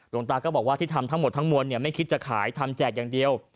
หลวงตาก็บอกว่าที่ทำทั้งหมดทั้งมวลไม่คิดจะขายทำแจกอย่างเดียว